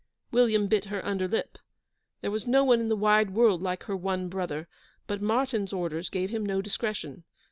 William bit her under lip. There was no one in the wide world like her one brother, but Martyn's orders gave him no discretion.